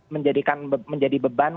menjadikan menjadi beban